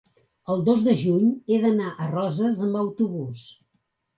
el dos de juny he d'anar a Roses amb autobús.